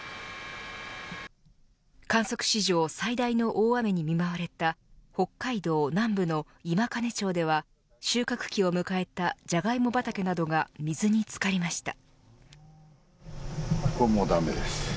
観測史上最大の大雨に見舞われた北海道南部の今金町では収穫期を迎えたジャガイモ畑などが水に漬かりました。